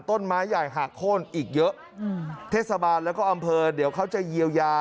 ต้นไม้ใหญ่หักโค้นอีกเยอะอืมเทศบาลแล้วก็อำเภอเดี๋ยวเขาจะเยียวยา